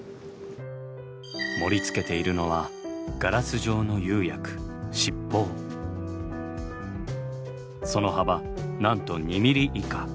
盛りつけているのはガラス状の釉薬その幅なんと２ｍｍ以下。